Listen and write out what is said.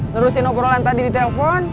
nerusin obrolan tadi di telepon